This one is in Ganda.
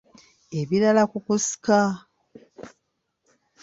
Ebirala ku kusika.